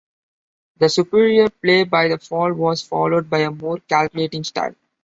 The superior play by the fall was followed by a more calculating style.